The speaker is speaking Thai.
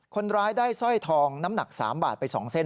คนร้ายได้สร้อยทองน้ำหนัก๓บาทไป๒เส้น